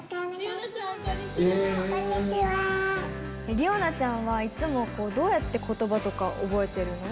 理央奈ちゃんは、いつもどうやってことばとか覚えてるの？